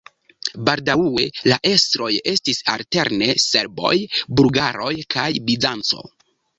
Baldaŭe la estroj estis alterne serboj, bulgaroj kaj Bizanco.